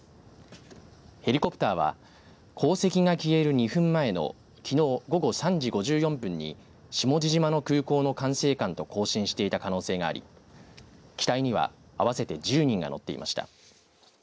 ヘリコプターは航跡が消える２分前のきのう午後３時５４分に下地島の空港の管制官と交信していた可能性があり機体には合わせて１０人が乗っていました。